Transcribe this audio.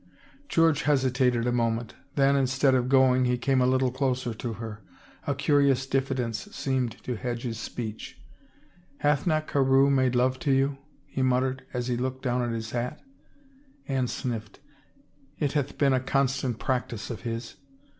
George hesitated a moment, then instead of going, he came a little closer to her ; a curious diffidence seemed to hedge his speech. " Hath not Carewe made love to you ?" he muttered as he looked down at his hat. Anne sniffed. " It hath been a constant practice of his."